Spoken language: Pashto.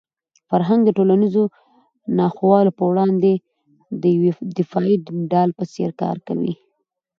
فرهنګ د ټولنیزو ناخوالو په وړاندې د یوې دفاعي ډال په څېر کار کوي.